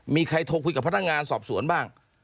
มีใครโทรคุยกับพนักงานสอบสวนบ้าง